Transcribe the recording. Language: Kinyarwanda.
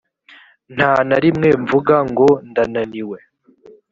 nta na rimwe mvuga ngo ndananiwe